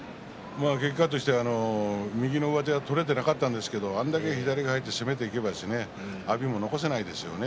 結果として右の上手が取れてなかったんですがあれだけ左が入って攻めていけば阿炎も残せないですよね。